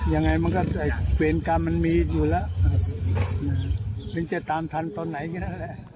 ยังไงมันก็เวรกรรมมันมีอยู่แล้วถึงจะตามทันตอนไหนก็ได้